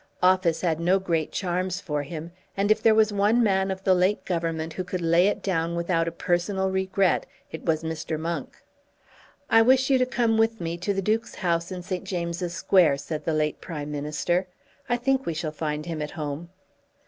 Office had had no great charms for him; and if there was one man of the late Government who could lay it down without a personal regret, it was Mr. Monk. "I wish you to come with me to the Duke's house in St. James's Square," said the late Prime Minister. "I think we shall find him at home."